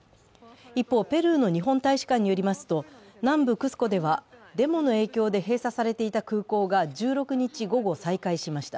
一方、ペルーの日本大使館によりますと南部クスコではデモの影響で閉鎖されていた空港が１６日午後、再開しました。